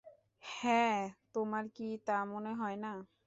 হ্যাঁ, তোমার কি তা মনে হয়না?